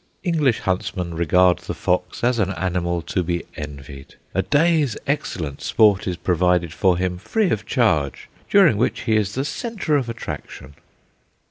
English huntsmen regard the fox as an animal to be envied. A day's excellent sport is provided for him free of charge, during which he is the centre of attraction.